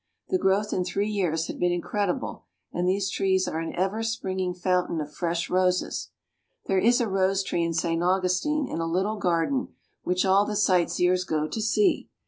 The growth in three years had been incredible; and these trees are an ever springing fountain of fresh roses. There is a rose tree in St. Augustine, in a little garden, which all the sight seers go to see.